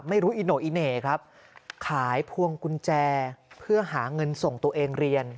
อิโน่อีเหน่ครับขายพวงกุญแจเพื่อหาเงินส่งตัวเองเรียน